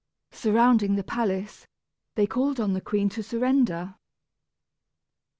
Surrounding the palace, they called on the queen to surrender.